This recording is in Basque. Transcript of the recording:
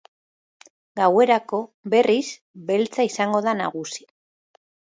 Gauerako, berriz, beltza izango da nagusi.